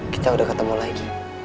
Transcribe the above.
kita udah ketemu lagi